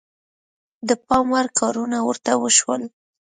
د پام وړ کارونه ورته وشول.